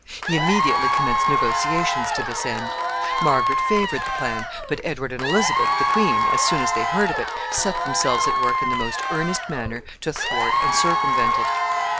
He immediately commenced negotiations to this end. Margaret favored the plan, but Edward and Elizabeth, the queen, as soon as they heard of it, set themselves at work in the most earnest manner to thwart and circumvent it.